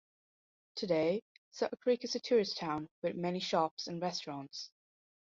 Today, Sutter Creek is a tourist town with many shops and restaurants.